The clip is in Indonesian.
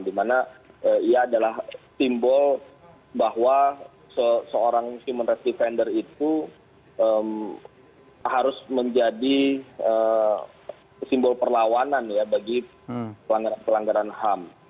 dimana ia adalah simbol bahwa seorang human rights defender itu harus menjadi simbol perlawanan ya bagi pelanggaran pelanggaran ham